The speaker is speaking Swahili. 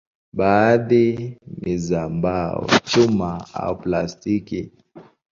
Baadhi ni za mbao, chuma au plastiki.